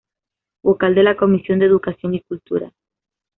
Vocal de la Comisión de Educación y Cultura.